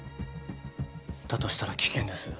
だとしたら危険です。